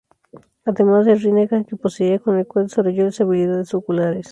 Además del Rinnegan que poseía con el cual desarrolló las habilidades oculares.